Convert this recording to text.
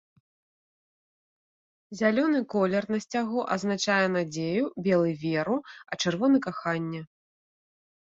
Зялёны колер на сцягу азначае надзею, белы веру, а чырвоны каханне.